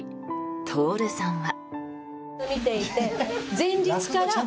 徹さんは。